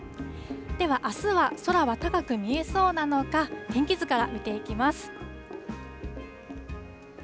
では、あすは空は高く見えそうなのか、天気図から見ていきます。